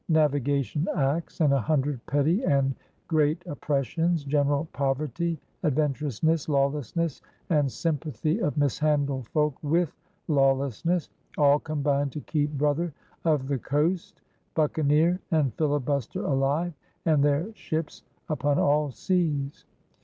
Navigation Acts, and a hundred petty and great oppressions, general poverty, adventurousness, lawlessness, and sym pathy of mishandled folk with lawlessness, all combined to keep Brother of the Coast, Buccaneer, and Filibuster alive, and their ships upon all seas.